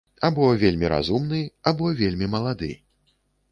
Або вельмі разумны, або вельмі малады.